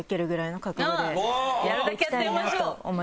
やっていきたいなと思います。